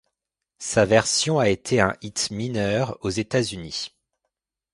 Sa version a été un hit mineur aux États-Unis.